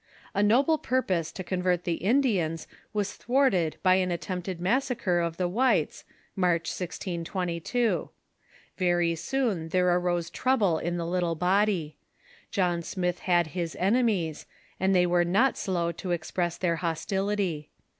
A noble purpose to convert the Indians was thwarted by an attempted massacre of the whites, March, 1622. Very soon there arose trouble in the little bod}'. John Smith had his enemies, and they Avere not slow to express their hostility.